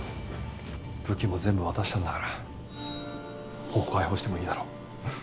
武器も全部渡したんだからもう解放してもいいだろ？